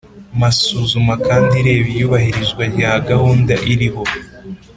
Masuzuma kandi ireba iyubahirizwa rya gahunda iriho